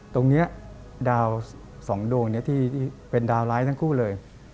ตรงนี้ดาว๒ดวงที่เป็นดาวร้ายทั้งคู่เลย